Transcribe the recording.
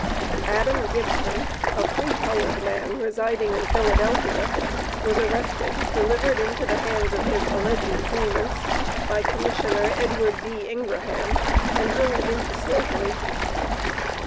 Adam Gibson, a free colored man, residing in Philadelphia, was arrested, delivered into the hands of his alleged claimants, by commissioner Edward D. Ingraham, and hurried into Slavery.